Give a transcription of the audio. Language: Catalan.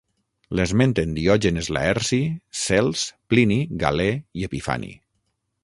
L'esmenten Diògenes Laerci, Cels, Plini, Galè i Epifani.